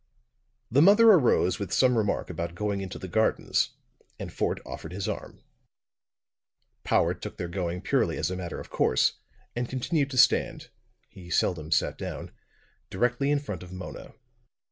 The mother arose with some remark about going into the gardens, and Fort offered his arm. Powart took their going purely as a matter of course, and continued to stand he seldom sat down directly in front of Mona.